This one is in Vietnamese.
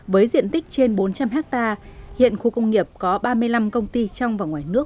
với diện tích trên bốn trăm linh hectare hiện khu công nghiệp có ba mươi năm công ty trong và ngoài nước